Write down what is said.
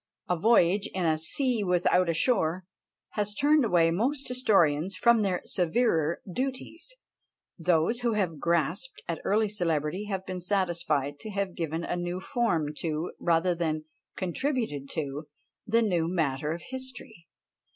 a voyage in "a sea without a shore!" has turned away most historians from their severer duties; those who have grasped at early celebrity have been satisfied to have given a new form to, rather than contributed to the new matter of history.